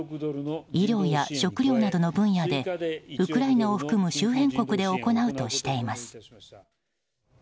医療や食料などの分野でウクライナを含む周辺国で行うとしています。